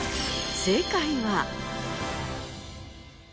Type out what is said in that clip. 正解は。